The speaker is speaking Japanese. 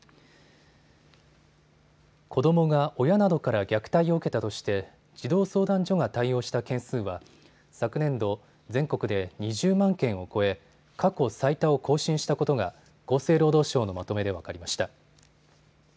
子どもが親などから虐待を受けたとして児童相談所が対応した件数は昨年度、全国で２０万件を超え、過去最多を更新したことが厚生労働省のまとめで分かりました。